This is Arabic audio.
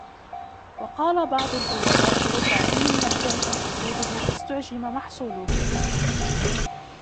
وَقَالَ بَعْضُ الْأُدَبَاءِ رُبَّ عِلْمٍ لَمْ تُعْجَمْ فُصُولُهُ فَاسْتُعْجِمَ مَحْصُولُهُ